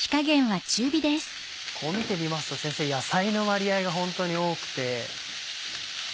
こう見てみますと先生野菜の割合がホントに多くて。